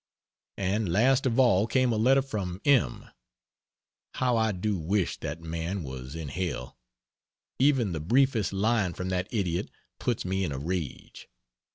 And last of all came a letter from M . How I do wish that man was in hell. Even the briefest line from that idiot puts me in a rage.